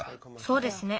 そうですね。